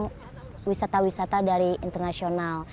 itu akan datang wisata wisata dari internasional